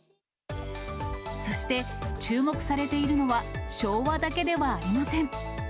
そして注目されているのは、昭和だけではありません。